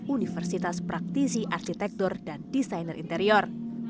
universitas praktisi arsitektur dan desainer interior